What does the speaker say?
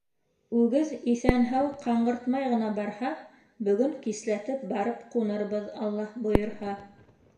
— Үгеҙ иҫән-һау, ҡаңғыртмай ғына барһа, бөгөн кисләтеп барып ҡунырбыҙ, Алла бойорһа.